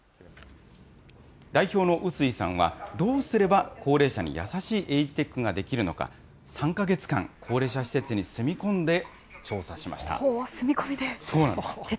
代表の臼井さんは、どうすれば高齢者にやさしいエイジテックができるのか、３か月間高齢者施設に住み込んで、調査しました。